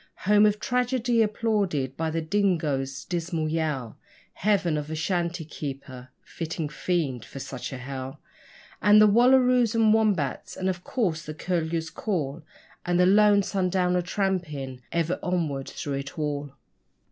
Home of tragedy applauded by the dingoes' dismal yell, Heaven of the shanty keeper fitting fiend for such a hell And the wallaroos and wombats, and, of course, the curlew's call And the lone sundowner tramping ever onward through it all!